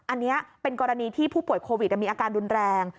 อันนี้เป็นกรณีที่ผู้ป่วยโควิดมีอาการรุนแรง